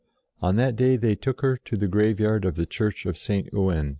On that day they took her to the graveyard of the Church of St. Ouen.